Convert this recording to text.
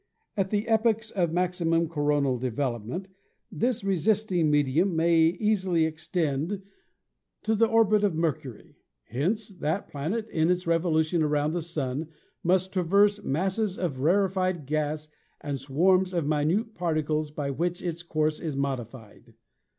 At the epochs of max imum coronal development this resisting medium may easily extend to the orbit of Mercury. Hence that planet in its revolution around the Sun must traverse masses of rarefied gas and swarms of minute particles by which its course is modified.